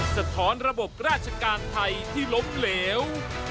สะท้อนระบบราชการไทยที่ล้มเหลว